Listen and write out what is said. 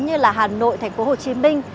như là hà nội thành phố hồ chí minh